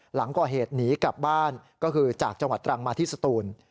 หลังก่อเหตุหนีกลับบ้านก็คือจากจังหวัดตรังมาที่สตูน